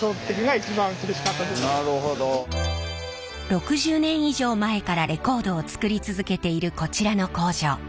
６０年以上前からレコードを作り続けているこちらの工場。